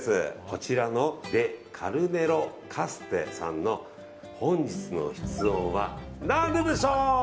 こちらのデカルネロカステさんの本日の室温は何度でしょう？